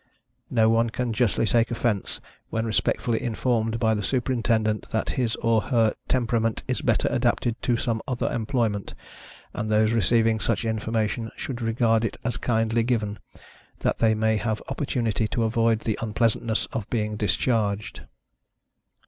No one can justly take offense when respectfully informed by the Superintendent, that his or her temperament is better adapted to some other employment; and those receiving such information should regard it as kindly given, that they may have opportunity to avoid the unpleasantness of being discharged.